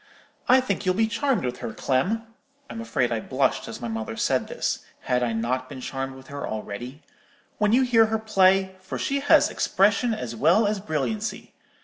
I think you'll be charmed with her, Clem'—(I'm afraid I blushed as my mother said this; had I not been charmed with her already?)—'when you hear her play, for she has expression as well as brilliancy.